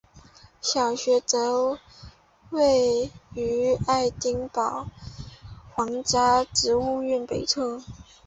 小学则位于爱丁堡皇家植物园北侧。